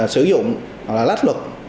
sử dụng hoặc là lách luật